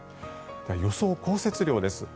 予想降雪量です。